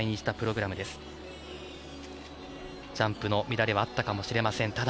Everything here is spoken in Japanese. ジャンプの乱れはあったかもしれません。